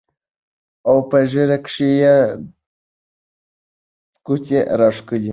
او پۀ ږيره کښې يې ګوتې راښکلې